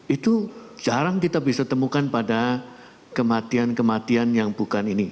itu jarang kita bisa temukan pada kematian kematian yang bukan ini